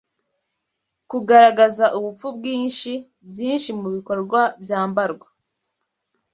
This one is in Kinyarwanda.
Kugaragaza ubupfu bwinshi, Byinshi mubikorwa byambarwa